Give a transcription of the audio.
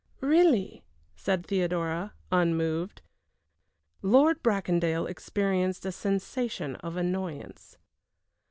"Really," said Theodora, unmoved. Lord Bracondale experienced a sensation of annoyance.